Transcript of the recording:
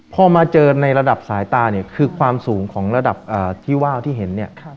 พอมาเจอในระดับสายตาเนี่ยคือความสูงของระดับที่ว่าวที่เห็นเนี่ย